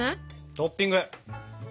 トッピング！